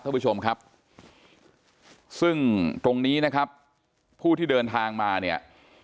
ท่านผู้ชมครับซึ่งตรงนี้นะครับผู้ที่เดินทางมาเนี่ย